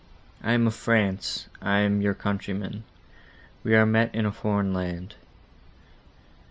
I am of France;—I am your countryman;—we are met in a foreign land."